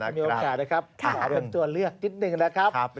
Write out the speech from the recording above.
มีโอกาสนะครับขอเป็นตัวเลือกนิดหนึ่งนะครับ